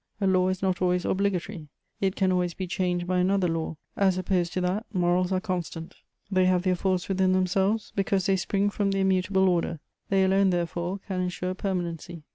A law is not always obligatory; it can always be changed by another law: as opposed to that, morals are constant; they have their force within themselves, because they spring from the immutable order: they alone, therefore, can ensure permanency.